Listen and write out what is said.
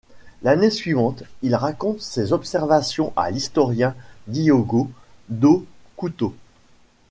L'année suivante, il raconte ses observations à l'historien Diogo do Couto.